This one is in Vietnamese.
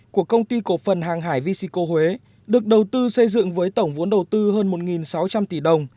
của công ty cổ phần hàng hải vesico huế được đầu tư xây dựng với tổng vốn đầu tư hơn một sáu trăm linh tỷ đồng